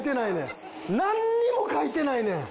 なんにも書いてないねん。